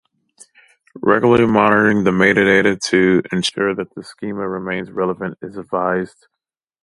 Regularly monitoring the metadata to ensure that the schema remains relevant is advised.